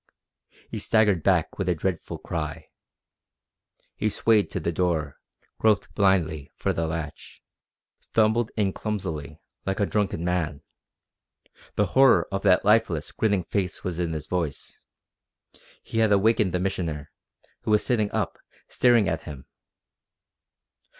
He staggered back with a dreadful cry. He swayed to the door, groped blindly for the latch, stumbled in clumsily, like a drunken man. The horror of that lifeless, grinning face was in his voice. He had awakened the Missioner, who was sitting up, staring at him.